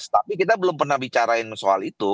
tapi kita belum pernah bicarain soal itu